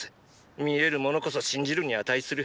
見えるものこそ信じるに値する。